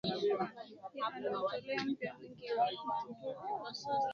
ya Anatolia ambayo wengi wa Uturuki wa sasa